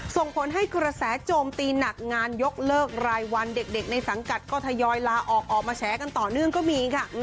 ส่งผลให้กระแสโจมตีหนักงานยกเลิกรายวันเด็กในสังกัดก็ทยอยลาออกมาแฉกันต่อเนื่องก็มีค่ะ